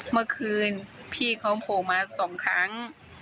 เมื่อคืนพี่เขาโผล่มาสองครั้ง